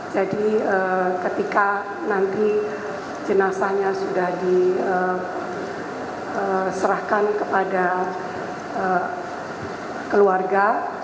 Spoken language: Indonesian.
jadi ketika nanti jenazahnya sudah diserahkan kepada keluarga